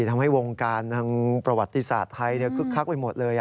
ทำให้วงการทางประวัติศาสตร์ไทยคึกคักไปหมดเลย